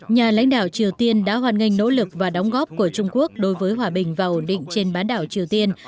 nhà lãnh đạo triều tiên đã hoan nghênh nỗ lực và đóng góp của trung quốc đối với hòa bình và ổn định trên bán đảo triều tiên